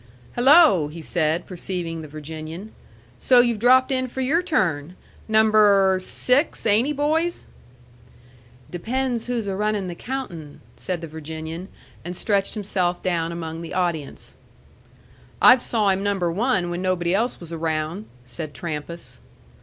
"Hello!" he said, perceiving the Virginian. "So you've dropped in for your turn! Number six, ain't he, boys?" "Depends who's a runnin' the countin'," said the Virginian, and stretched himself down among the audience. "I've saw him number one when nobody else was around," said Trampas.